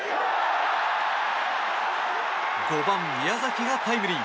５番、宮崎がタイムリー。